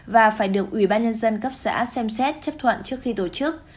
và phải được ubnd cấp xã xem xét chấp thuận trước khi tổ chức